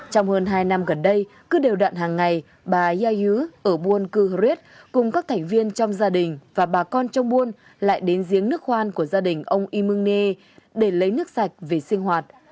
trong hơn hai năm gần đây cứ đều đoạn hàng ngày bà yai yứ ở buôn cư hờ riết cùng các thành viên trong gia đình và bà con trong buôn lại đến giếng nước khoan của gia đình ông y mưng nê để lấy nước sạch về sinh hoạt